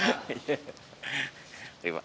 terima kasih pak